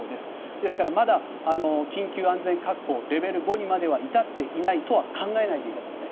ですから、まだ緊急安全確保レベル５にまでは至っていないとは考えないでいただきたい。